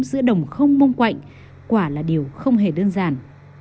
giữa đồng không mông quạnh quả là điều không hề đơn giản